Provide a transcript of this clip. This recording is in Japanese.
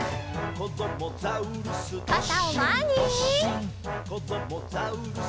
「こどもザウルス